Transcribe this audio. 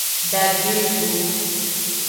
Dagbe yi go.